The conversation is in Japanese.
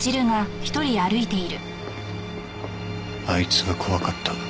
あいつが怖かった。